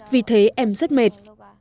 vì thế em rất mệt